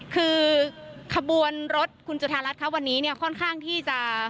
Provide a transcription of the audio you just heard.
คือขบวนรถคุณจุธานรัฐวันนี้ค่อนข้างที่จะ